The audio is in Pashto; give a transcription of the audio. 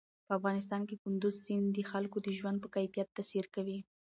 په افغانستان کې کندز سیند د خلکو د ژوند په کیفیت تاثیر کوي.